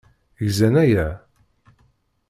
Gzan aya?